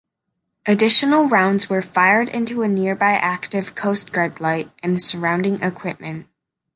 Additional rounds were fired into a nearby active Coast Guard light and surrounding equipment.